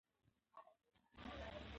بله ښېګنه د دې يونليک دا ده چې ليکوال